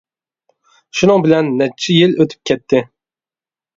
شۇنىڭ بىلەن نەچچە يىل ئۆتۈپ كەتتى.